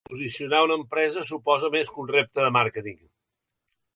Posicionar una empresa suposa més que un repte de màrqueting.